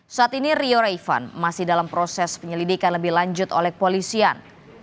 saat ini rio raivan masih dalam proses penyelidikan lebih lanjut oleh polisian